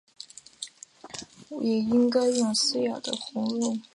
白下区源于民国时期的第二区。